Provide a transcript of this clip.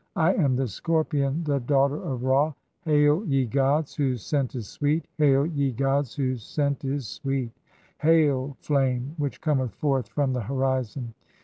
I am the Scorpion, the "daughter of Ra. Hail, ye gods, whose scent is sweet ; hail, ye "gods, whose scent is sweet! [Hail,] Flame, which cometh forth "from the horizon